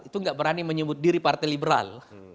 itu nggak berani menyebut diri partai liberal